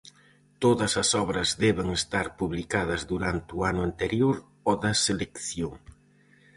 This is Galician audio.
Todas as obras deben estar publicadas durante o ano anterior ao da selección.